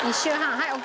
はい。